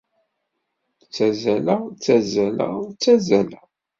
Ttazzaleɣ, ttazzaleɣ, ttazzaleɣ.